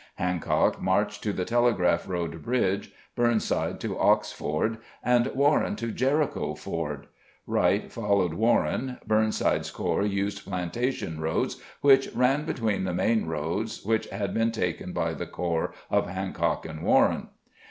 Hancock marched to the Telegraph road bridge, Burnside to Ox Ford, and Warren to Jericho Ford. Wright followed Warren ; Burnside's corps used plantation roads which ran between the main roads which had been taken by the corps of Hancock and Warren.